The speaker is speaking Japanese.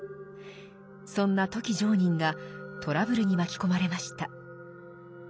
そんな富木常忍がトラブルに巻き込まれました。